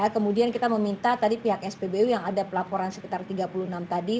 kemudian kita meminta tadi pihak spbu yang ada pelaporan sekitar tiga puluh enam tadi